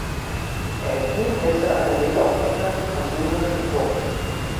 Er hielt gestern eine Rede auf englisch, französisch und deutsch.